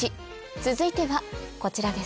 続いてはこちらです。